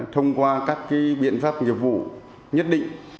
thông qua các biện pháp nhiệm vụ nhất định